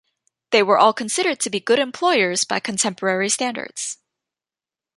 They were all considered to be good employers by contemporary standards.